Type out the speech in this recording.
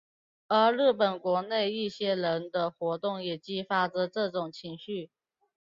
而日本国内一些人的活动也激发着这种情绪。